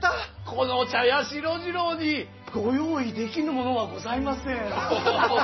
この茶屋四郎次郎にご用意できぬものはございません。